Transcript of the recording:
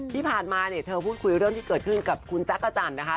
ที่ผ่านมาเนี่ยเธอพูดคุยเรื่องที่เกิดขึ้นกับคุณจักรจันทร์นะคะ